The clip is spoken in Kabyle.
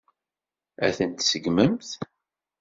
Ad tent-tseggmemt?